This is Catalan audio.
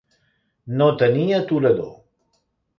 No tenir aturador.